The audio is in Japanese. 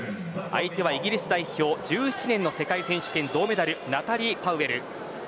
相手はイギリス代表１７年の世界選手権銅メダルナタリー・パウエルです。